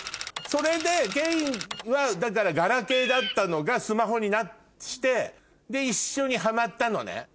それでケインはだからガラケーだったのがスマホにして一緒にハマったのね？